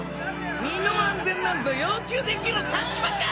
身の安全なんぞ要求できる立場か！